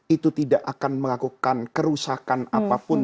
itu tidak akan melakukan kerusakan apapun